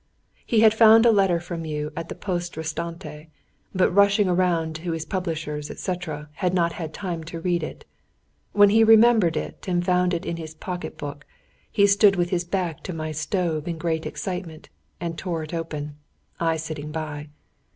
"He had found a letter from you at the Poste Restante; but, rushing around to his publishers, etc., had not had time to read it. "When he remembered it and found it in his pocket book, he stood with his back to my stove, in great excitement, and tore it open; I sitting by.